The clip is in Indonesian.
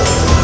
itu udah gila